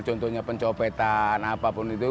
contohnya pencopetan apapun itu